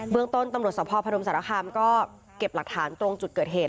เมืองต้นตำรวจสภพนมสารคามก็เก็บหลักฐานตรงจุดเกิดเหตุ